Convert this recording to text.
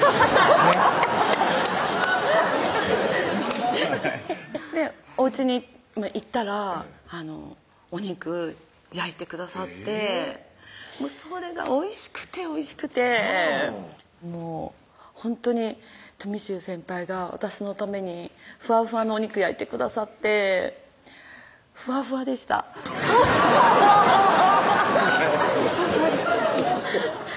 ねっおうちに行ったらお肉焼いてくださってそれがおいしくておいしくてもうほんとにとみしゅう先輩が私のためにふわふわのお肉焼いてくださってふわふわでした「ふわふわでした」